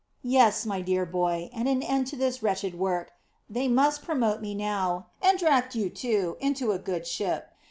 "Yes, my dear boy; and an end to this wretched work. They must promote me now, and draft you, too, into a good ship.